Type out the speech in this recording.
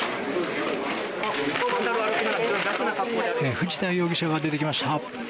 藤田容疑者が出てきました。